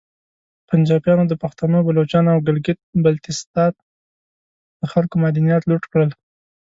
پنجابیانو د پختنو، بلوچانو او ګلګیت بلتیستان د خلکو معدنیات لوټ کړل